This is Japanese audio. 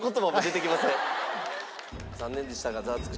残念でしたがザワつく！